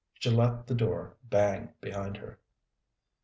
She let the door bang behind her.